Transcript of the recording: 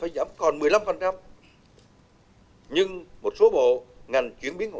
thủ tướng cũng nêu rõ có nhiều thủ tướng vẫn còn nặng nề ở một số bộ ngành vì vậy cần phải có cách làm mạnh mẽ hơn